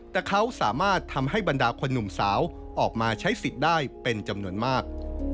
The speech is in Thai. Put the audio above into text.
แต่เขาสามารถทำให้บรรดาคนหนุ่มสาวออกมาใช้สิทธิ์ได้เป็นจำนวนมาก